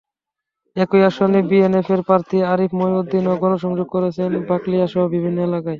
একই আসনে বিএনএফের প্রার্থী আরিফ মঈনুদ্দিনও গণসংযোগ করছেন বাকলিয়াসহ বিভিন্ন এলাকায়।